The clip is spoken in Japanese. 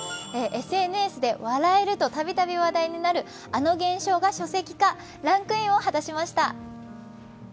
ＳＮＳで笑えるとたびたび話題になる、あの現象が書籍化ランクインを果たしました。